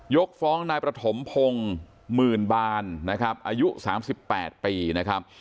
กฟ้องนายประถมพงศ์หมื่นบานนะครับอายุ๓๘ปีนะครับ